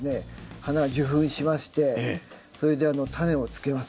花は受粉しましてそれで種をつけます。